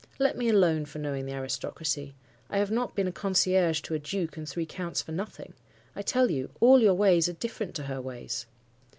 Let me alone for knowing the aristocracy. I have not been a concierge to a duke and three counts for nothing. I tell you, all your ways are different to her ways.